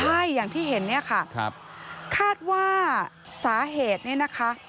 ใช่อย่างที่เห็นเนี่ยค่ะครับคาดว่าสาเหตุเนี่ยนะคะ